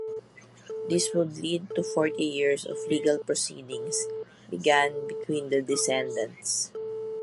This would lead to forty years of legal proceedings began between the descendants.